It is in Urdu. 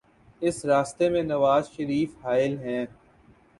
اس راستے میں نوازشریف حائل ہیں۔